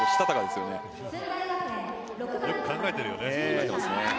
よく考えているよね。